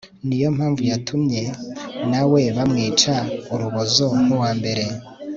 ni yo mpamvu yatumye na we bamwica urubozo nk'uwa mbere